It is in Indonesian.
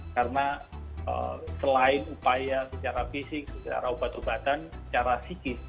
karena selain upaya secara fisik secara obat obatan secara psikis